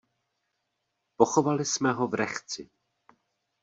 Pochovali jsme ho v Rechci.